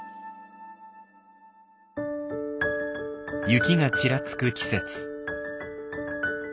雪がちらつく季節。